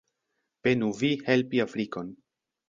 Penu vi helpi Afrikon.